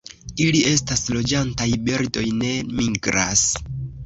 Ili estas loĝantaj birdoj, ne migras.